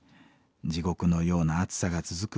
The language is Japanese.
地獄のような暑さが続く